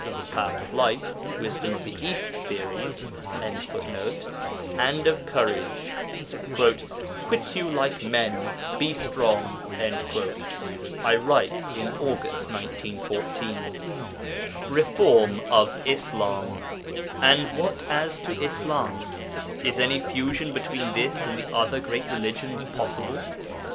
of The Path of Light (Wisdom of the East series).] and of courage; 'quit you like men, be strong.' (I write in August 1914.) REFORM OF ISLAM And what as to Islam? Is any fusion between this and the other great religions possible?